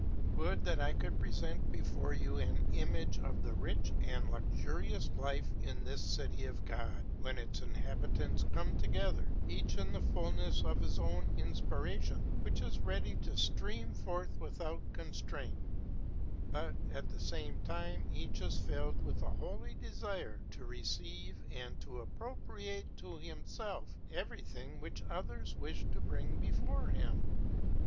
Would that I could present before you an image of the rich and luxurious life in this city of God, when its inhabitants come together each in the fulness of his own inspiration, which is ready to stream forth without constraint, but, at the same time, each is filled with a holy desire to receive and to appropriate to himself everything which others wish to bring before him.